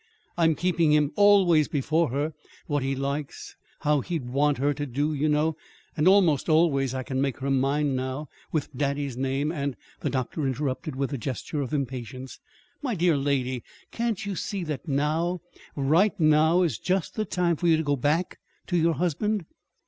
I'm keeping him always before her what he likes, how he'd want her to do, you know. And almost always I can make her mind now, with daddy's name, and " The doctor interrupted with a gesture of impatience. "My dear lady, can't you see that now right now is just the time for you to go back to your husband?"